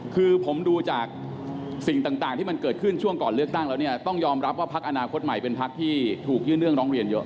คือผมดูจากสิ่งต่างที่เกิดขึ้นถึงเวลาก่อนเลือกตั้งต้องยอมรับว่าพรรคอนาคตใหม่เป็นพรรคที่ถูกยืนเลื่อนร้องเรียนตลอด